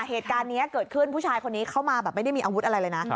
เหตุการณ์นี้เกิดขึ้นผู้ชายคนนี้เข้ามาแบบไม่ได้มีอาวุธอะไรเลยนะ